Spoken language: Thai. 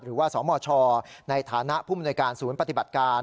หรือว่าสมชในฐานะผู้มนวยการศูนย์ปฏิบัติการ